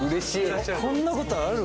こんなことある？